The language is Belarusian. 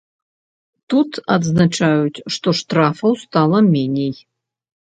Тут адзначаюць, што штрафаў стала меней.